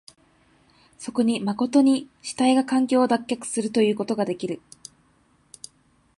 そこに真に主体が環境を脱却するということができる。